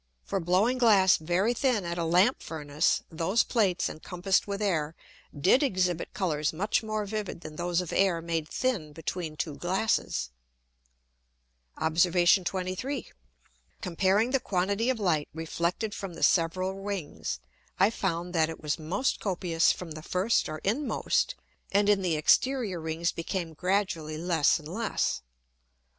For blowing Glass very thin at a Lamp Furnace, those Plates encompassed with Air did exhibit Colours much more vivid than those of Air made thin between two Glasses. Obs. 23. Comparing the quantity of Light reflected from the several Rings, I found that it was most copious from the first or inmost, and in the exterior Rings became gradually less and less.